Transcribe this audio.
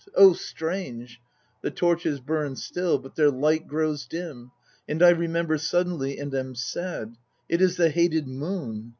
Oh strange! The torches burn still, but their light grows dim; And I remember suddenly and am sad. It is the hated moon!